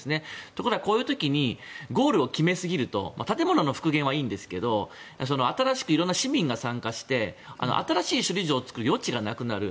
ところがこういう時にゴールを決めすぎると建物の復元はいいんですが新しく色々な市民が参加して新しい首里城を作る余地がなくなる。